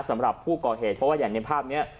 สำหรับผู้ก่อเหตุเพราะว่าอย่างในภาพนี้